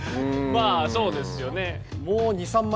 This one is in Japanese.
まあそうですよね。